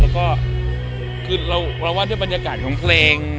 แล้วก็คือเราว่าด้วยบรรยากาศของเพลง